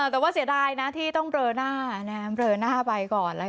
แต่ว่าเสียดายนะที่ต้องเปรย์หน้าเปรย์หน้าไปก่อนล่ะกัน